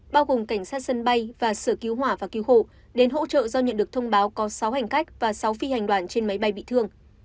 bao gồm cảnh sát sân bay và sở cứu hỏa và cứu hộ đến hỗ trợ do nhận được thông báo có sáu hành khách và sáu phi hành đoàn trên máy bay bị thương